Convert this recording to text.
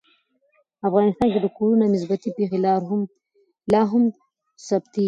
افغانستان کې د کورونا مثبتې پېښې لا هم ثبتېږي.